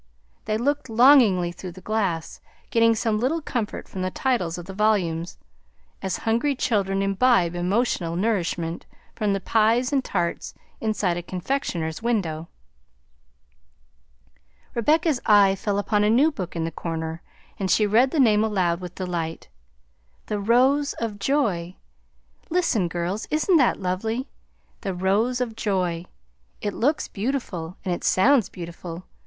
They looked longingly through the glass, getting some little comfort from the titles of the volumes, as hungry children imbibe emotional nourishment from the pies and tarts inside a confectioner's window. Rebecca's eyes fell upon a new book in the corner, and she read the name aloud with delight: "The Rose of Joy. Listen, girls; isn't that lovely? The Rose of Joy. It looks beautiful, and it sounds beautiful.